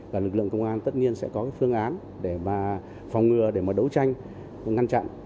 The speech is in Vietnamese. và lực lượng công an tất nhiên sẽ có cái phương án để mà phòng ngừa để mà đấu tranh ngăn chặn